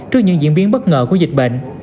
trước những diễn biến bất ngờ của dịch bệnh